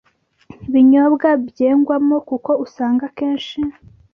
binyobwa byengwamo, kuko usanga akenshi